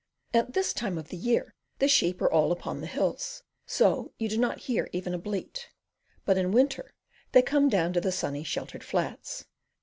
At this time of the year the sheep are all upon the hills; so you do not hear even a bleat: but in winter, they come down to the sunny, sheltered flats.